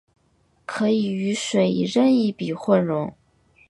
可以与水以任意比混溶。